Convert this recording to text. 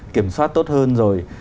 kiểm soát tốt hơn rồi